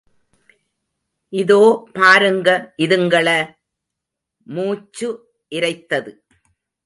இதோ பாருங்க, இதுங்களை!. மூச்சு இரைத்தது.